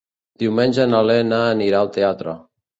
Diumenge na Lena anirà al teatre.